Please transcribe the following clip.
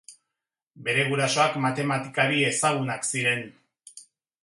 Bere gurasoak matematikari ezagunak ziren.